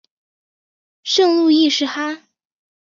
圣路易士哈！